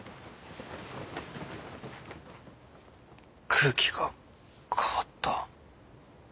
空気が変わった。